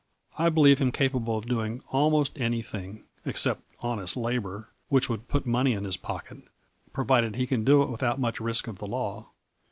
I believe him capable of doing almost anything, except honest labor, which would put money in his pocket, provided he can do it without much risk of the law.